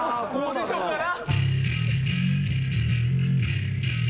ポジションがな。